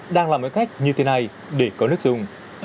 đang làm mọi cách như thế này để có nước dùng